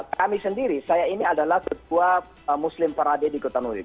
kami sendiri saya ini adalah ketua muslim parade di kota novi